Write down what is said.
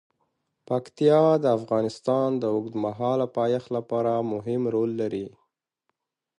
پکتیا د افغانستان د اوږدمهاله پایښت لپاره مهم رول لري.